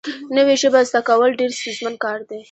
نوې ژبه زده کول ډېر ستونزمن کار دی